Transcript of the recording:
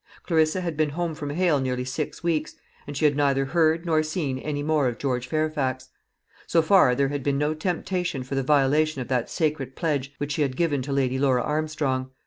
Clarissa had been home from Hale nearly six weeks, and she had neither heard nor seen any more of George Fairfax. So far there had been no temptation for the violation of that sacred pledge which she had given to Lady Laura Armstrong.